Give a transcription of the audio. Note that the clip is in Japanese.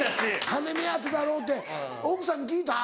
金目当てだろうって奥さんに聞いた？